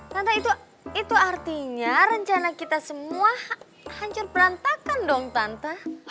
tante itu artinya rencana kita semua hancur perantakan dong tante